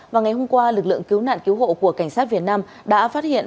vào ngày hôm qua lực lượng cứu nạn cứu hộ của cảnh sát việt nam đã phát hiện